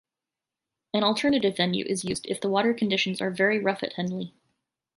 An alternative venue is used if the water conditions are very rough at Henley.